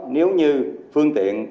nếu như phương tiện